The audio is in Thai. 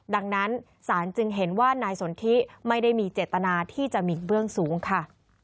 ดังนั้นศาลจึงเห็นว่านายสนทิไม่ได้มีเจตนาที่จะมีเบื้องสูงค่ะ